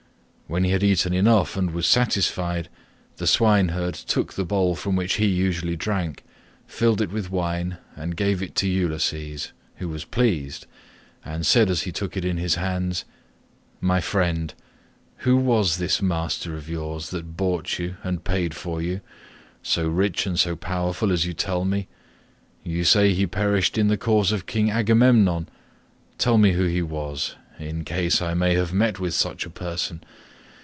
When he had eaten enough and was satisfied, the swineherd took the bowl from which he usually drank, filled it with wine, and gave it to Ulysses, who was pleased, and said as he took it in his hands, "My friend, who was this master of yours that bought you and paid for you, so rich and so powerful as you tell me? You say he perished in the cause of King Agamemnon; tell me who he was, in case I may have met with such a person.